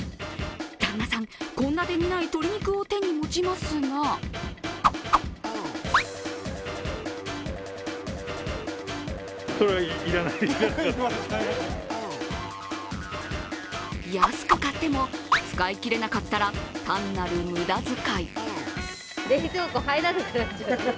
旦那さん、献立にない鶏肉を手に持ちますが安く買っても、使いきれなかったら単なる無駄づかい。